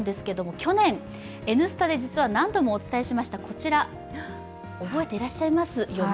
去年、「Ｎスタ」で何度もお伝えしましたこちら覚えていらっしゃいますよね？